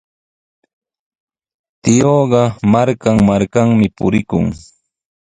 Tiyuuqa markan-markanmi purikun.